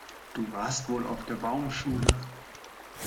Du warst wohl auf der Baumschule.